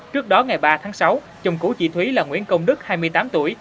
trước đó ngày ba tháng sáu chồng cũ chị thúy là nguyễn công đức hai mươi tám tuổi